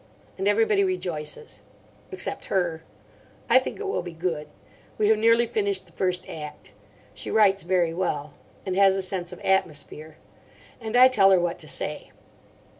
And everybody rejoices. Except her. I think it will be good. We have nearly finished the first act. She writes very well. And has a sense of atmosphere. And I tell her what to say.